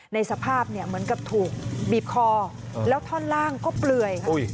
ในสภาพเหมือนกับถูกบีบคอแล้วท่อนล่างก็เปลื่อย